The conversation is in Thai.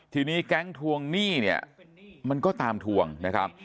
ทีนี้แก๊งทวงหนี้เนี่ยมันก็ตามทวงนะครับ